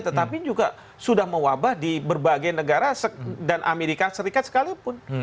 tetapi juga sudah mewabah di berbagai negara dan amerika serikat sekalipun